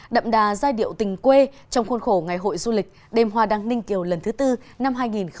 đậm đà giai điệu tình quê trong khuôn khổ ngày hội du lịch đêm hoa đăng ninh kiều lần thứ tư năm hai nghìn hai mươi